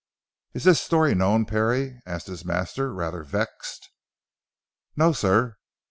"Is this story known Parry?" asked his master rather vexed. "No sir.